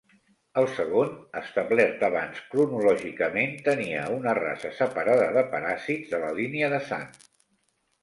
El segon, establert abans cronològicament, tenia una raça separada de paràsits de la línia de sang.